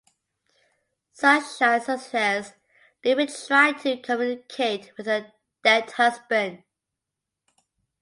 Sunshine suggests Libby try to communicate with her dead husband.